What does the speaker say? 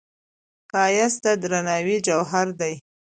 ښایست د درناوي جوهر دی